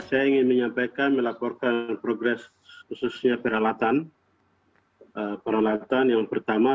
saya ingin menyampaikan melaporkan progres khususnya peralatan peralatan yang pertama